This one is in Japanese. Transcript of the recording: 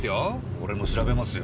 俺も調べますよ。